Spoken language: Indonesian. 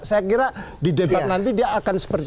saya kira di debat nanti dia akan seperti